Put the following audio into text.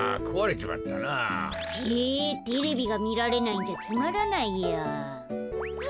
ちぇっテレビがみられないんじゃつまらないや。